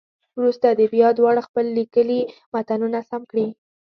وروسته دې بیا دواړه خپل لیکلي متنونه سم کړي.